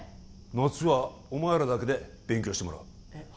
夏はお前らだけで勉強してもらうえっ？